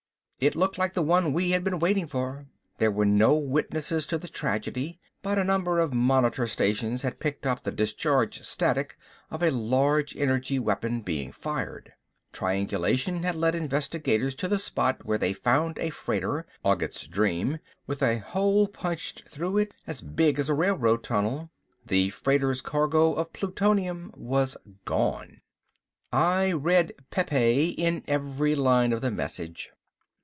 It looked like the one we had been waiting for. There were no witnesses to the tragedy, but a number of monitor stations had picked up the discharge static of a large energy weapon being fired. Triangulation had lead investigators to the spot where they found a freighter, Ogget's Dream, with a hole punched through it as big as a railroad tunnel. The freighter's cargo of plutonium was gone. I read Pepe in every line of the message.